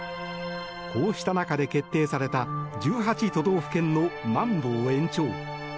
こうした中で決定された１８都道府県のまん防延長。